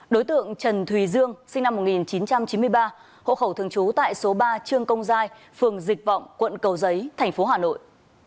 đối tượng trần thùy dương sinh năm một nghìn chín trăm chín mươi ba hộ khẩu thường trú tại số ba trương công giai phường dịch vọng quận cầu giấy thành phố hà nội